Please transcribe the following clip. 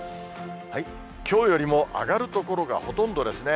きょうよりも上がる所がほとんどですね。